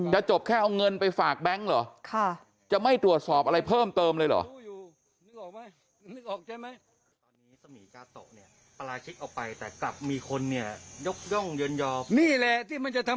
จบแค่เอาเงินไปฝากแบงค์เหรอจะไม่ตรวจสอบอะไรเพิ่มเติมเลยเหรอ